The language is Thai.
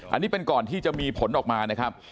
อันนี้เป็นก่อนที่จะมีผลออกมานะครับ